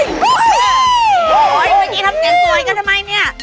เมื่อกี้ทำเสียงสวยกันทำไมเนี่ย